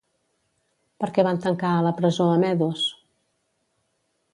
Per què van tancar a la presó a Medos?